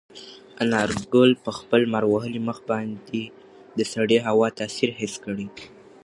انارګل په خپل لمر وهلي مخ باندې د سړې هوا تاثیر حس کړ.